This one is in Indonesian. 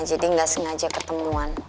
jadi nggak sengaja ketemuan